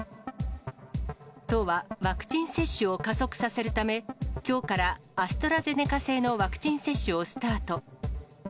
都は、ワクチン接種を加速させるため、きょうから、アストラゼネカ製のワクチン接種をスタート。